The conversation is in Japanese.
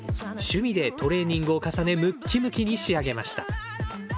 趣味でトレーニングを重ね、むっきむきに仕上げました。